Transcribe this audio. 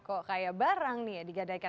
kok kaya barang nih digadaikan